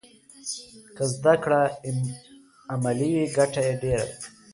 که زده کړه عملي وي ګټه یې ډېره ده.